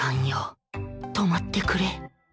止まってくれ